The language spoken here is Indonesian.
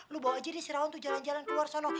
lu bawa aja si raun jalan jalan keluar sana